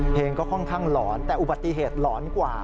เพลงก็ค่อนข้างหลอนแต่อุบัติเหตุหลอนกว่า